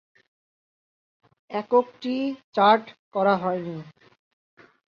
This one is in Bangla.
এককটি চার্ট করা হয়নি।